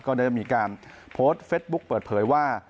ก็ได้มีการโพสต์เฟสบุ๊คเปิดเผยว่า